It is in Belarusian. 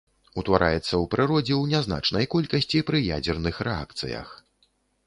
Утвараецца ў прыродзе ў нязначнай колькасці пры ядзерных рэакцыях.